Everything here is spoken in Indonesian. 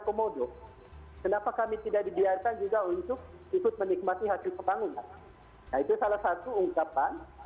komodo kenapa kami tidak dibiarkan juga untuk ikut menikmati hasil pembangunan nah itu salah satu ungkapan